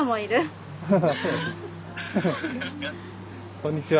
こんにちは。